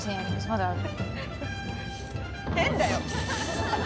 まだある。